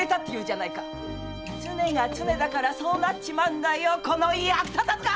常が常だからそうなるんだよこの役立たずが！